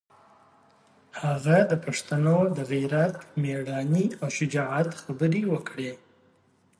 هغه د پښتنو د غیرت، مېړانې او شجاعت خبرې وکړې.